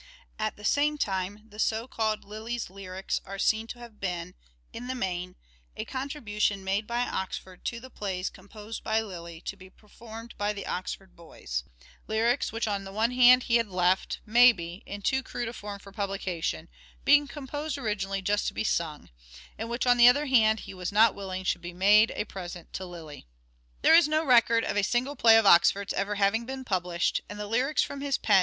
At the same time the so called Lyly's lyrics are seen to have been, in the main, a contribution made by Oxford to the plays composed by Lyly to be performed by the Oxford Boys — lyrics which on the one hand he had left, maybe, in too crude a form for publication, being composed originally just to be sung, and which on the other hand he was not willing should be made a present to Lyly. 336 " SHAKESPEARE " IDENTIFIED Composition There is no record of a single play of Oxford's ever tion of" " having been published, and the lyrics from his pen dramas.